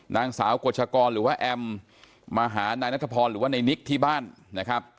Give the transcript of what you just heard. นางสาวกฎชกรหรือว่าแอมมาหานายนัทพรหรือว่าในนิกที่บ้านนะครับ